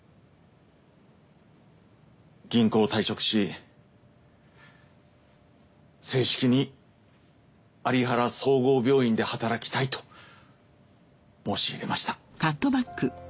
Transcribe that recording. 銀行を退職し正式に有原総合病院で働きたいと申し入れました。